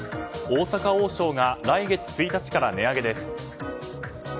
大阪王将が来月１日から値上げです。